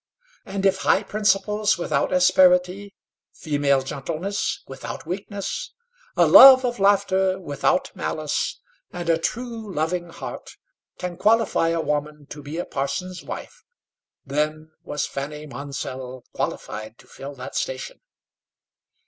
And if high principles without asperity, female gentleness without weakness, a love of laughter without malice, and a true loving heart, can qualify a woman to be a parson's wife, then was Fanny Monsell qualified to fill that station.